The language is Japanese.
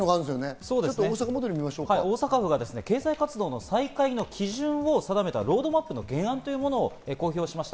大阪府は経済活動の再開の基準を定めたロードマップの提案を公表しました。